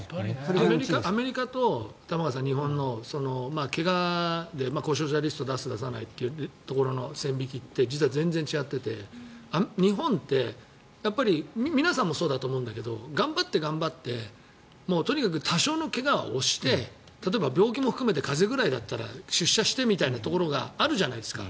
アメリカと日本の怪我で故障者リスト出す、出さない線引きって実は全然違っていて日本って皆さんもそうだと思うんだけど頑張って頑張ってとにかく多少の怪我は押して例えば病気も含めて風邪くらいなら出社してみたいなところがあるじゃないですか。